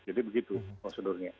jadi begitu prosedurnya